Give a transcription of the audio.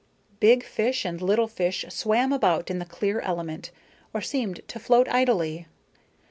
Big fish and little fish swam about in the clear element, or seemed to float idly.